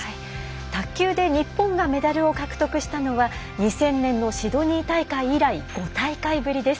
卓球で日本がメダルを獲得したのは２０００年のシドニー大会以来５大会ぶりです。